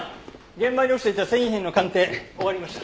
現場に落ちていた繊維片の鑑定終わりました。